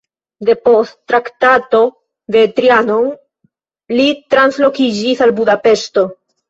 Depost Traktato de Trianon li translokiĝis al Budapeŝto.